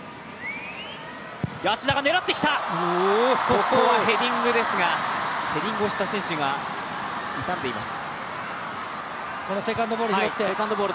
ここはヘディングですが、ヘディングをした選手が痛んでいます。